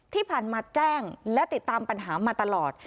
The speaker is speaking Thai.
ที่ผ่านมาแจ้งและติดตามปัญหามาตลอด